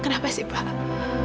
kenapa sih pak